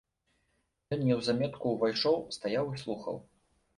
Ён неўзаметку ўвайшоў, стаяў і слухаў.